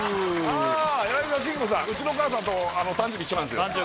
うちの母さんと誕生日一緒なんですよ